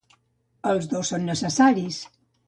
Els dos són necessaris.